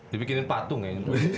dibikinin patung ya